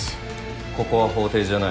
ここは法廷じゃない。